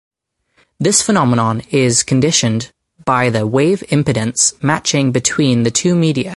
This phenomenon is conditioned by the wave impedance matching between the two media.